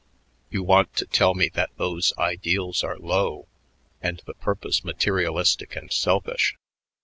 "You want to tell me that those ideals are low and the purpose materialistic and selfish.